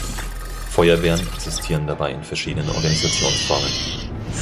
Feuerwehren existieren dabei in verschiedenen Organisationsformen.